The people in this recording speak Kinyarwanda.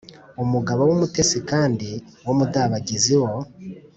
“umugabo w’umutesi kandi w’umudabagizi wo